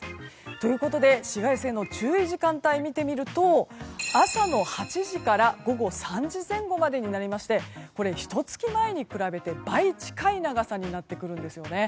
ということで紫外線の注意時間帯を見てみると朝の８時から午後３時前後までになりましてこれ、ひと月前に比べて倍近い長さになっています。